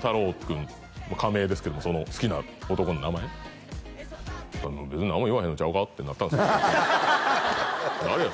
タロウ君仮名ですけどその好きな男の名前別に何も言わへんのちゃうかってなったんですけど誰や？